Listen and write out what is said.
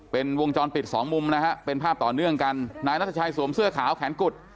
เป็นวงจรปิดสองมุมนะฮะเป็นภาพต่อเนื่องกันนายนัทชัยสวมเสื้อขาวแขนกุด